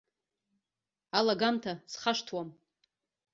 Алагамҭа схашҭуам.